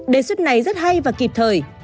đề xuất này rất hay và kịp thời